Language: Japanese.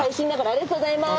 ありがとうございます。